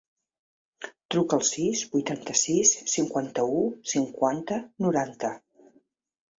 Truca al sis, vuitanta-sis, cinquanta-u, cinquanta, noranta.